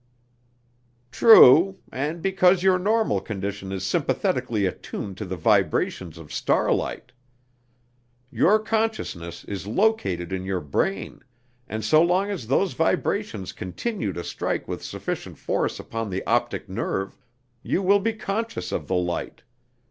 "True, and because your normal condition is sympathetically attuned to the vibrations of starlight. Your consciousness is located in your brain, and so long as those vibrations continue to strike with sufficient force upon the optic nerve, you will be conscious of the light.